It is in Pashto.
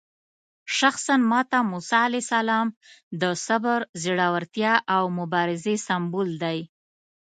شخصاً ماته موسی علیه السلام د صبر، زړورتیا او مبارزې سمبول دی.